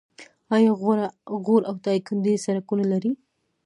آیا غور او دایکنډي سړکونه لري؟